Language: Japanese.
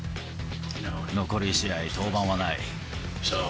残り試合、登板はない。